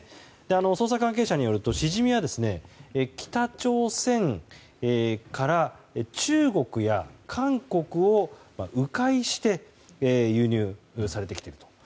捜査関係者によると、シジミは北朝鮮から中国や韓国を迂回して輸入されてきていると。